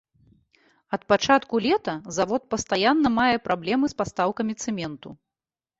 Ад пачатку лета завод пастаянна мае праблемы з пастаўкамі цэменту.